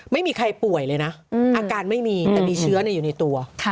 ไม่มีใครป่วยเลยนะอาการไม่มีแต่มีเชื้ออยู่ในตัว